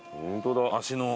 足の。